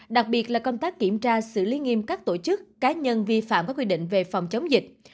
đặc biệt là công tác kiểm tra xử lý nghiêm các tổ chức cá nhân vi phạm các quy định về phòng chống dịch